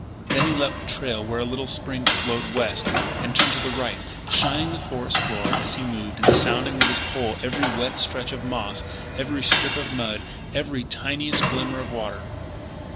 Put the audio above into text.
Then he left the trail where a little spring flowed west, and turned to the right, shining the forest floor as he moved and sounding with his pole every wet stretch of moss, every strip of mud, every tiniest glimmer of water.